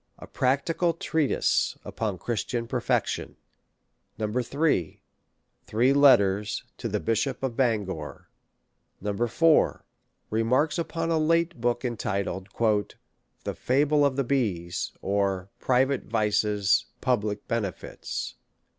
2. A Practical Treatise upon Christian Perfection. 8vo. and 12mo. 3. Three Letters to the Bishop of Bangor. 8vo. 4. Remarks upon a late Book, entitled, " The Fa ble of the Bees ; or. Private Vices Public Benefits."